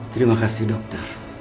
terima kasih dokter